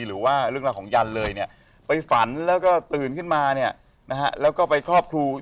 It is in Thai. เหตุการณ์เป็นยังไงครับ